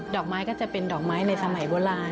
อกไม้ก็จะเป็นดอกไม้ในสมัยโบราณ